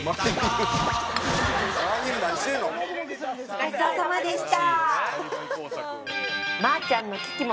ごちそうさまでした。